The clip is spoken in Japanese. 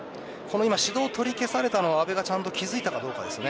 指導取りけされたのを阿部がちゃんと気づけたかどうかです。